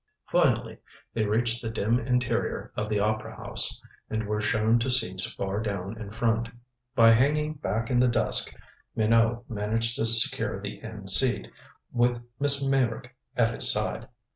Finally they reached the dim interior of the opera house, and were shown to seats far down in front. By hanging back in the dusk Minot managed to secure the end seat, with Miss Meyrick at his side.